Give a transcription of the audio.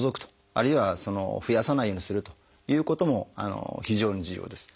あるいは増やさないようにするということも非常に重要です。